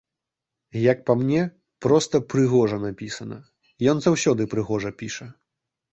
Як па мне, проста прыгожа напісана, ён заўсёды прыгожа піша.